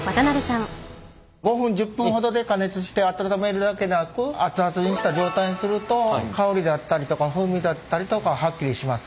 ５分１０分ほどで加熱して温めるだけでなく熱々にした状態にすると香りであったりとか風味だったりとかははっきりします。